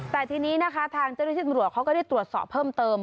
แต่ทีนี้นะคะทางเจ้าหน้าที่ตำรวจเขาก็ได้ตรวจสอบเพิ่มเติม